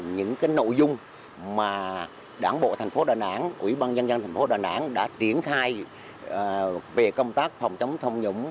những cái nội dung mà đảng bộ tp đà nẵng ủy ban nhân dân tp đà nẵng đã triển khai về công tác phòng chống tham nhũng